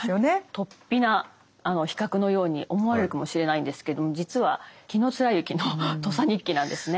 とっぴな比較のように思われるかもしれないんですけども実は紀貫之の「土佐日記」なんですね。